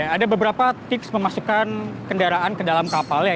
ada beberapa tips memasukkan kendaraan ke dalam kapal ya